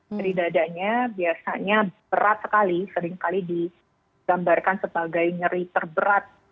nyeri dadanya biasanya berat sekali seringkali digambarkan sebagai nyeri terberat